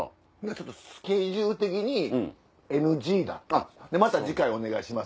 スケジュール的にＮＧだったまた次回お願いします。